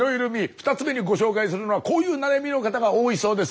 ２つ目にご紹介するのはこういう悩みの方が多いそうです。